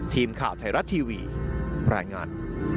ทีมข่าวไทยรัฐทีวีรายงาน